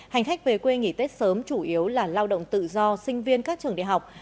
hành khách về quê nghỉ tết sớm chủ yếu là lao động tự do sinh viên các trường đại học